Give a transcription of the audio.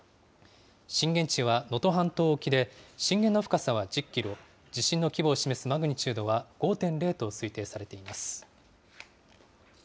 震源地は能登半島沖で、震源の深さは１０キロ、地震の規模を示すマグニチュードは５．０と推定されています。